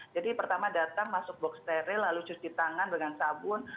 pertama datang masuk box steril lalu cuci tangan dengan sabun